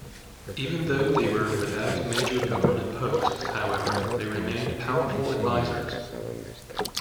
Even though they were without major government posts, however, they remained powerful advisors.